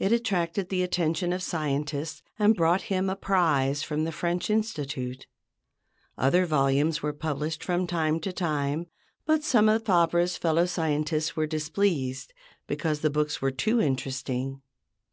It attracted the attention of scientists and brought him a prize from the French Institute. Other volumes were published from time to time, but some of Fabre's fellow scientists were displeased because the books were too interesting!